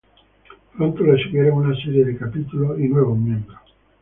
Pronto le siguieron una serie de capítulos y nuevos miembros.